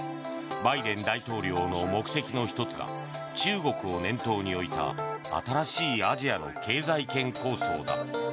バイデン大統領の目的の１つが中国を念頭に置いた新しいアジアの経済圏構想だ。